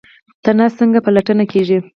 تنه څنګه پلنه کیږي؟